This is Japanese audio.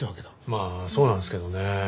まあそうなんですけどね。